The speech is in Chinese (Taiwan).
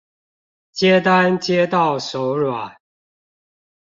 接單接到手軟